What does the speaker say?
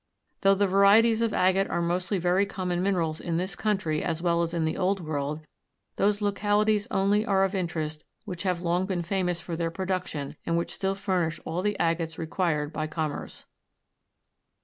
Though the varieties of agate are mostly very common minerals in this country as well as in the old world, those localities only are of interest which have long been famous for their production and which still furnish all the agates required by commerce.